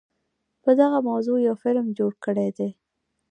په دغه موضوع يو فلم جوړ کړے دے